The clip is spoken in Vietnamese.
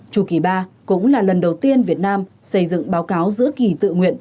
chủ kỳ iii cũng là lần đầu tiên việt nam xây dựng báo cáo giữa kỳ tự nguyện